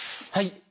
はい。